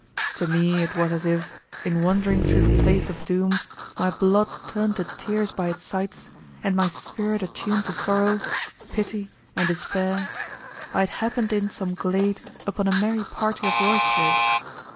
To me it was as if, in wandering through the place of doom, my blood turned to tears by its sights, and my spirit attuned to sorrow, pity, and despair, I had happened in some glade upon a merry party of roisterers.